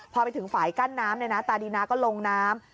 พอไปถึงฝ่ายกั้นน้ำเนี่ยนะตาดีนาก็ลงน้ำ